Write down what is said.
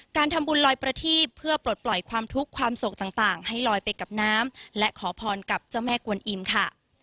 การทำบุญลอยประทีบเพื่อปลดปล่อยความทุกข์ความโศกต่างให้ลอยไปกับน้ำและขอพรกับเจ้าแม่กวนอิมค่ะ